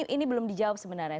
ini belum dijawab sebenarnya